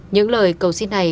những lời cầu xin này